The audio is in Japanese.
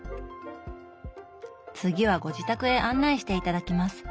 次はご自宅へ案内して頂きます。